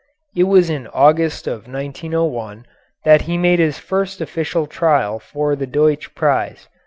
It was in August of 1901 that he made his first official trial for the Deutsch Prize.